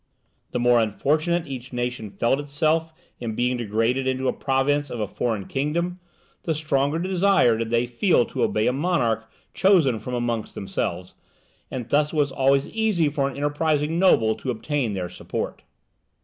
The more unfortunate each nation felt itself in being degraded into a province of a foreign kingdom, the stronger desire did they feel to obey a monarch chosen from amongst themselves, and thus it was always easy for an enterprising noble to obtain their support.